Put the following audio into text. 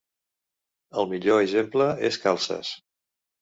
El millor exemple és calces.